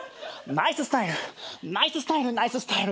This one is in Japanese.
ナイススタイルナイススタイルナイススタイル。